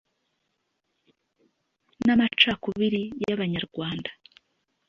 n'amacakubiri y'abanyarwanda